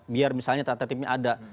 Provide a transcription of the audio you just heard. biar misalnya tata tertibnya ada